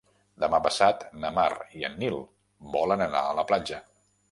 Demà passat na Mar i en Nil volen anar a la platja.